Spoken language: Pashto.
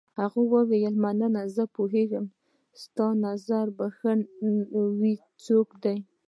هغې وویل: مننه، زه پوهېږم ستا په نظر ښه څوک دی.